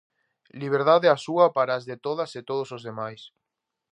Liberdade a súa para as de todas e todos os demais.